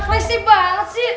klesi banget sih